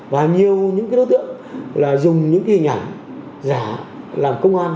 và nhiều đối tượng dùng những hình ảnh giả làm công an